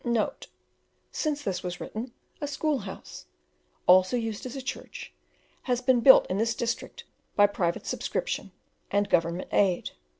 [Note: Since this was written, a school house, also used as a church, has been built in this district by private subscription and Government aid.